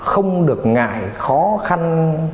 không được ngại khó khăn